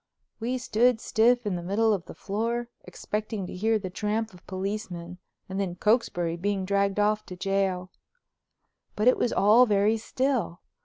We stood stiff in the middle of the floor, expecting to hear the tramp of policemen and then Cokesbury being dragged off to jail. But it was all very still.